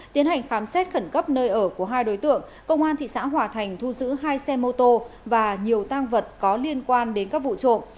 tiến hành khám xét khẩn cấp nơi ở của hai đối tượng công an thị xã hòa thành thu giữ hai xe mô tô và nhiều tang vật có liên quan đến các vụ trộm